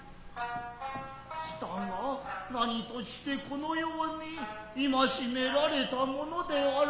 したが何として此の様にいましめられたものであろう。